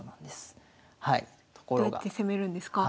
どうやって攻めるんですか？